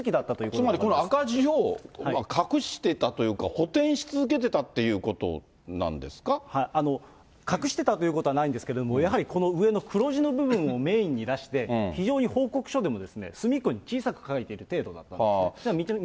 つまり、この赤字を隠してたというか、補填し続けてたという隠してたということはないんですけれども、やはりこの上の黒字の部分をメインに出して、非常に報告書でも、隅っこに小さく書いてる程度だったんですね。